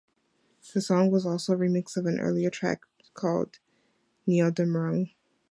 The song was also a remix of an earlier track called Neodammerung.